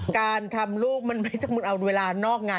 การทำลูกมันไม่ต้องเอาเวลานอกงาน